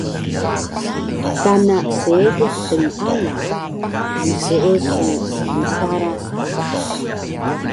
kana seediq tnalang mseesu mtara sapah